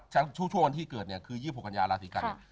ชั่วที่เกิดเนี่ยคือยี่พุกัญญาราศรีกัณฑ์